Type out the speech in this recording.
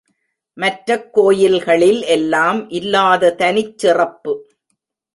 மற்றக் கோயில்களில் எல்லாம் இல்லாத தனிச்சிறப்பு.